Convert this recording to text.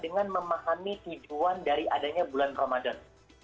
dengan memahami tujuan dari adanya bulan ramadan